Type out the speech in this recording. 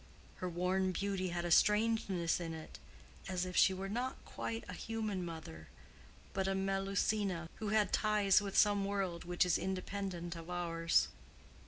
—Her worn beauty had a strangeness in it as if she were not quite a human mother, but a Melusina, who had ties with some world which is independent of ours.